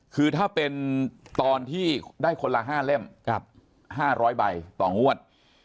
คือถ้าเป็นตอนที่ได้คนละ๕เล่ม๕๐๐ใบต่องวด